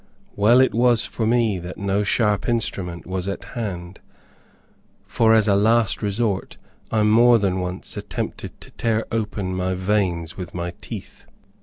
Well was it for me that no sharp instrument was at hand, for as a last resort I more than once attempted to tear open my veins with my teeth.